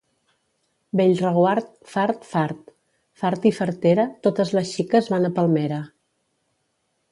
Bellreguard, fart, fart. Fart i fartera, totes les xiques van a Palmera.